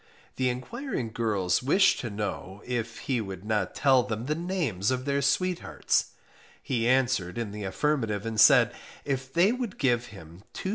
The enquiring girls wished to know if he could not tell the names of their sweethearts; he answered in the affirmative, and said, if they would give him 2s.